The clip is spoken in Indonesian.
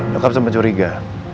loh kapan pencuriga